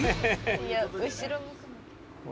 「いや後ろ向くの」